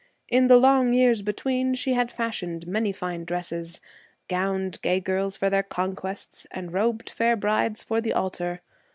In the long years between, she had fashioned many fine dresses gowned gay girls for their conquests and robed fair brides for the altar.